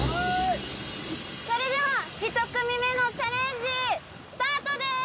それでは１組目のチャレンジスタートです！